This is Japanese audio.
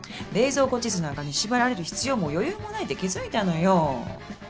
冷蔵庫地図なんかに縛られる必要も余裕もないって気付いたのよ。